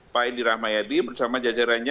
pak edi rahmayadi bersama jajarannya